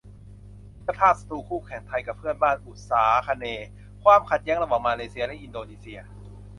มิตรภาพ ศัตรู คู่แข่ง ไทยกับเพื่อนบ้านอุษาคเนย์ : ความขัดแย้งระหว่างมาเลเซียและอินโดนีเซีย